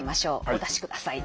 お出しください。